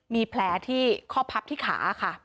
มีแผลที่ข้อพับที่ขาค่ะ